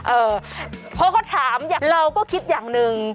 เออพอเขาถามเราก็คิดอย่างหนึ่ง